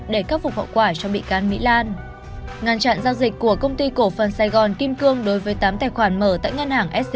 đối với cây biên ngăn chặn giao dịch cổ phần tại scb và các công ty liên quan đến bị can mỹ lan